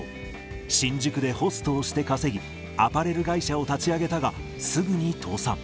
新宿でホストをして稼ぎ、アパレル会社を立ち上げたが、すぐに倒産。